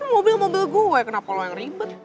ini mobil mobil gue kenapa lo yang ribet